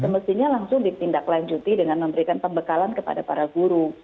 mestinya langsung ditindaklanjuti dengan memberikan pembekalan kepada para guru